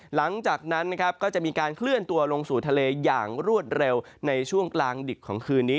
หลังจากนั้นนะครับก็จะมีการเคลื่อนตัวลงสู่ทะเลอย่างรวดเร็วในช่วงกลางดึกของคืนนี้